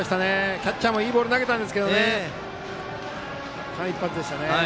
キャッチャーもいいボールを投げましたが間一髪でしたね。